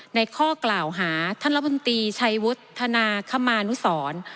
ข้อกล่าวหาท่านละบนตรีชัยวุฒนาคมานุสร